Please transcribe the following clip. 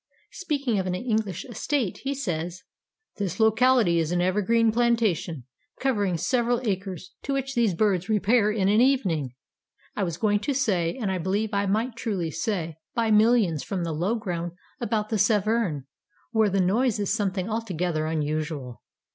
Speaking of an English estate, he says, "This locality is an evergreen plantation covering several acres, to which these birds repair in an evening—I was going to say, and I believe I might truly say—by millions, from the low ground about the Severn, where their noise is something altogether unusual.